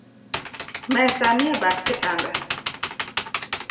Mesa nie bath kitanda